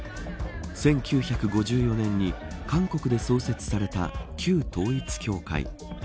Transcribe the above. １９５４年に韓国で創設された旧統一教会。